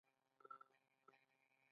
هڅه کوي له شاخصونو سره ځان عیار کړي.